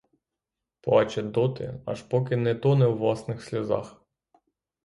Плаче доти, аж поки не тоне у власних сльозах.